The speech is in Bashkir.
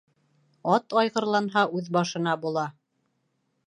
Ат айғырланһа үҙ башына була.